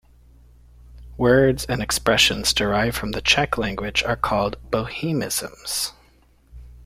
Words and expressions derived from the Czech language are called Bohemisms.